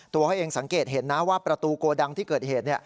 ตัวเองสังเกตเห็นนะว่าประตูโกดังที่เกิดเหตุ